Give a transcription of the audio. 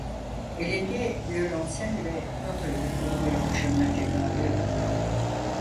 Elinde viyolonsel ve nota ile kulübeye koşan erkek, ağlıyordu.